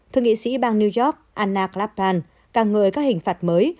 thượng nghị sĩ bang new york anna clabran càng ngợi các hình phạt mới